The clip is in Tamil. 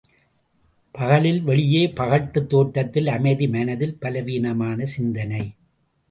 பகலில் வெளியே பகட்டு தோற்றத்தில் அமைதி மனதில் பலவீனமான சிந்தனை.